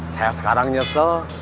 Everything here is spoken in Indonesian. saya sekarang nyesel